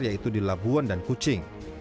yaitu di labuan dan kucing